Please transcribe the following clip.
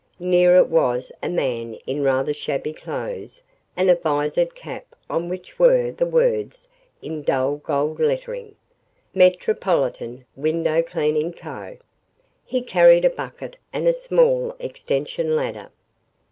Near it was a man in rather shabby clothes and a visored cap on which were the words in dull gold lettering, "Metropolitan Window Cleaning Co." He carried a bucket and a small extension ladder.